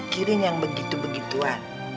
pikirin yang begitu begituan